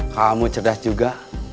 kamu cerdas juga